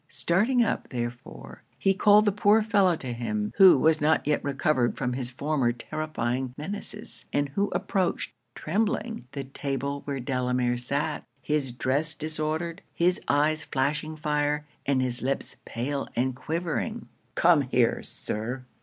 Starting up, therefore, he called the poor fellow to him, who was not yet recovered from his former terrifying menaces; and who approached, trembling, the table where Delamere sat; his dress disordered, his eyes flashing fire, and his lips pale and quivering. 'Come here, Sir!'